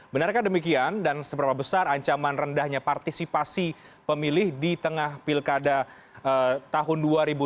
benarkah demikian dan seberapa besar ancaman rendahnya partisipasi pemilih di tengah pilkada tahun dua ribu delapan belas